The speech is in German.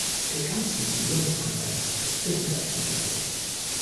Der ganze Museumskomplex ist behindertengerecht.